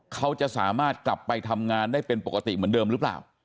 เขาจะสามารถกลับไปทำงานได้เป็นปกติเหมือนเดิมหรือเปล่า